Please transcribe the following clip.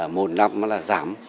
một năm là giảm